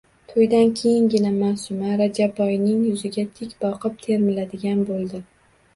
Toʼydan keyingina Maʼsuma Rajabboyning yuziga tik boqib termiladigan boʼldi.